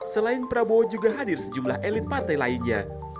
selain prabowo juga hadir sejumlah elit partai lainnya